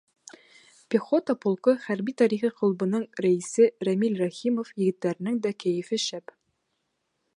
Пехота полкы хәрби-тарихи клубының рәйесе Рәмил Рәхимов егеттәренең дә кәйефе шәп.